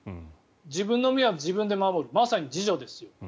自分の身は自分で守るまさに自助ですよ。